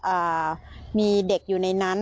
อ่ามีเด็กอยู่ในนั้น